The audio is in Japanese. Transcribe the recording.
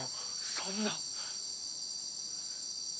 そんな！